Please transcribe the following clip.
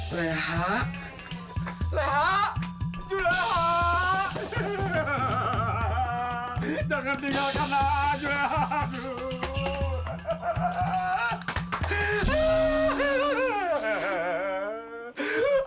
leha leha juleha jangan tinggalkan